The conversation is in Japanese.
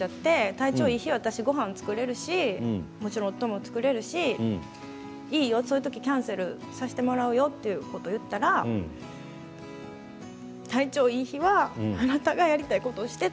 体調がいい日は私はごはんを作れるし夫も作れるしそういう時はキャンセルさせてもらうよって言ったら体調がいい日はあなたがやりたいことをして。